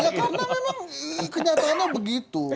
ya karena memang kenyataannya begitu